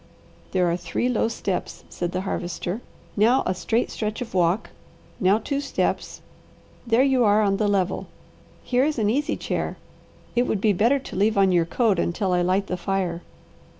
"There are three low steps," said the Harvester, "now a straight stretch of walk, now two steps; there you are on the level. Here is an easy chair. It would be better to leave on your coat, until I light the fire."